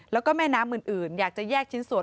แล้วก็แม่น้ำอื่นอยากจะแยกชิ้นส่วน